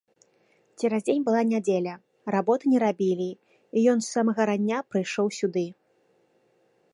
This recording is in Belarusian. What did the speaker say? Цераз дзень была нядзеля, работы не рабілі, і ён з самага рання прыйшоў сюды.